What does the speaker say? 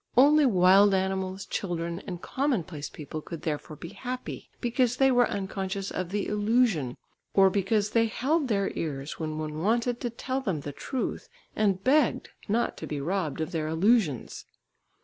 Only wild animals, children, and commonplace people could therefore be happy, because they were unconscious of the illusion, or because they held their ears when one wanted to tell them the truth and begged not to be robbed of their illusions.